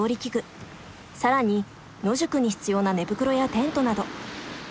更に野宿に必要な寝袋やテントなど。